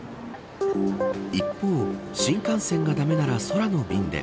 一方、新幹線が駄目なら空の便で。